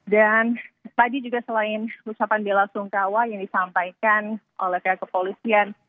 dan tadi juga selain ucapan bela sungkawa yang disampaikan oleh kepolisian